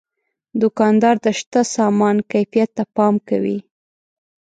دوکاندار د شته سامان کیفیت ته پام کوي.